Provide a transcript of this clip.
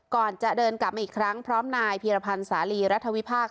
ก่อนจะเดินกลับมาอีกครั้งพร้อมนายพีรพันธ์สาลีรัฐวิพากษ